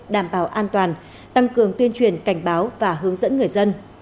đảm bảo an toàn tăng cường tuyên truyền cảnh báo và hướng dẫn người dân